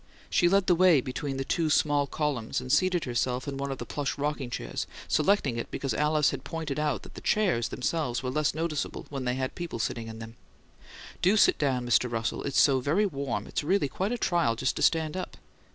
She led the way between the two small columns, and seated herself in one of the plush rocking chairs, selecting it because Alice had once pointed out that the chairs, themselves, were less noticeable when they had people sitting in them. "Do sit down, Mr. Russell; it's so very warm it's really quite a trial just to stand up!"